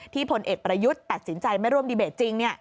พลเอกประยุทธ์ตัดสินใจไม่ร่วมดีเบตจริง